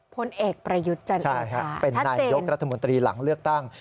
พลเอกประยุทธจันทราชาชัดเจนใช่ค่ะเป็นในยกรัฐมนตรีหลังเลือกตั้ง